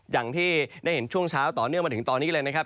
อย่างที่ได้เห็นช่วงเช้าต่อเนื่องมาถึงตอนนี้เลยนะครับ